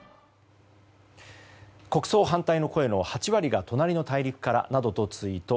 国葬反対の声の８割が隣の大陸からなどとツイート。